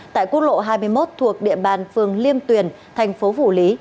tại quốc lộ hai mươi một thuộc địa bàn phường liêm tuyền thành phố phủ lý